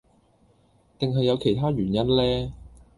定係有其他原因呢